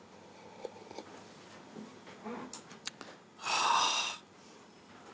はあ。